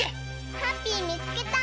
ハッピーみつけた！